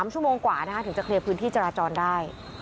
ชั่วโมงกว่าถึงจะเคลียร์พื้นที่จราจรได้